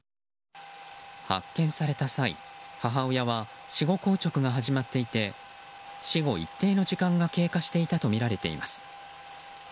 発見された際、母親は死後硬直が始まっていて死後一定の時間が経過していたとみられています。